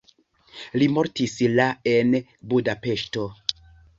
Li mortis la en Budapeŝto.